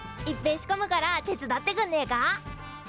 いっぺえ仕込むから手伝ってくんねえか？